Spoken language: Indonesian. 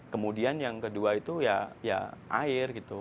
kemudian yang kedua itu ya air gitu